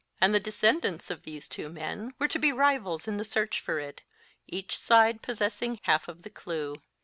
And the descendants of these two men were to be rivals in the search for it, each side possessing half of the clue.